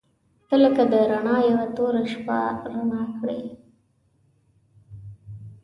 • ته لکه د رڼا یوه توره شپه رڼا کړې.